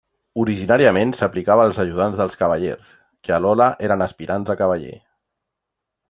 Originàriament, s'aplicava als ajudants dels cavallers, que alhora eren aspirants a cavaller.